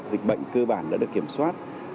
dịch bệnh cơ bản đã được kiểm soát